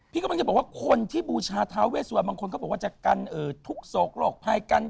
กำลังจะบอกว่าคนที่บูชาท้าเวสวันบางคนเขาบอกว่าจะกันทุกโศกโรคภัยกัน